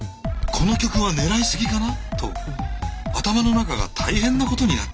「この曲は狙いすぎかな」と頭の中が大変なことになっている。